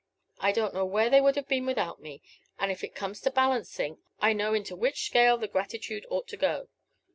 I don't know where they would have been without me; and if it comes to balancing, I know into which scale the gratitude ought to go.